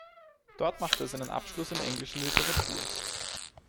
Dort machte er seinen Abschluss in englischer Literatur.